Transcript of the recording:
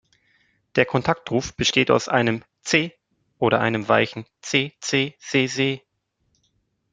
Der Kontaktruf besteht aus einem „tse“ oder einem weichen „tse-tse-se-se“.